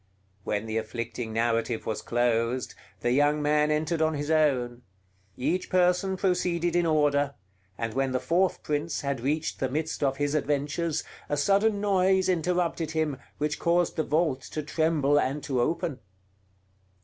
When the afflicting narrative was closed, the young man entered on his own. Each person proceeded in order, and when the fourth prince had reached the midst of his adventures, a sudden noise interrupted him, which caused the vault to tremble and to open.